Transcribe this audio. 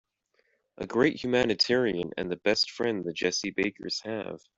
A great humanitarian and the best friend the Jessie Bakers have.